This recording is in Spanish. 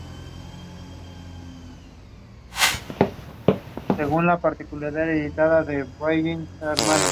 Está constituido por la Isla Mujeres y un sector continental.